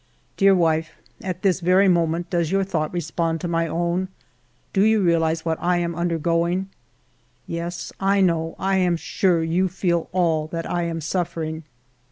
Dear wife, at this very moment does your thought respond to my own P Do you realize what 1 am undergoing ? Yes, I know, I am sure, you feel all that I am suffering.